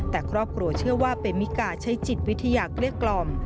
แต่ครอบครัวเชื่อว่าเป็นมิกาใช้จิตวิทยาเกลี้ยกล่อม